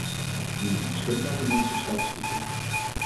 Die is beschikbaar in onze statistieken.